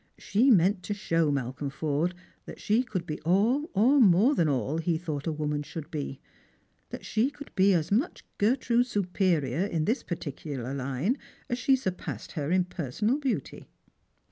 She meant to show Malcolm Forde that she could be all, or more than all, he thought a woman should be — that she could be as much Gertrude's superior in this particular line as she surpassed her in personal beauty.